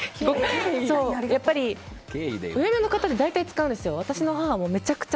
やっぱり上の方には大体使うんですよ。